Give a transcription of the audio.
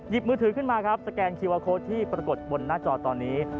มือถือขึ้นมาครับสแกนคิวาโค้ดที่ปรากฏบนหน้าจอตอนนี้